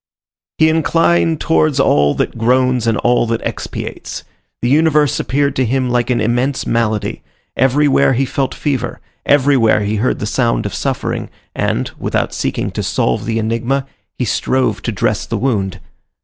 He inclined towards all that groans and all that expiates. The universe appeared to him like an immense malady; everywhere he felt fever, everywhere he heard the sound of suffering, and, without seeking to solve the enigma, he strove to dress the wound.